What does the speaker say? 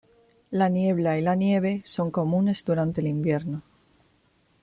La niebla y la nieve son comunes durante el invierno.